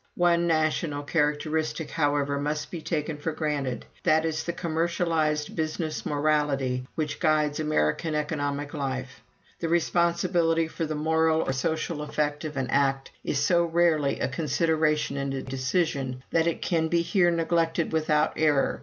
One national characteristic, however, must be taken for granted. That is the commercialized business morality which guides American economic life. The responsibility for the moral or social effect of an act is so rarely a consideration in a decision, that it can be here neglected without error.